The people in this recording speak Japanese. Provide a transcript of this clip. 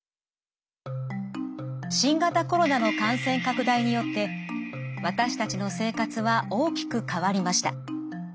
新型コロナの感染拡大によって私たちの生活は大きく変わりました。